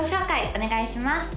お願いします